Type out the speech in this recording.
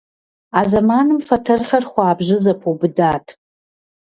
А зэманым фэтэрхэр хуабжьу зэпэубыдат.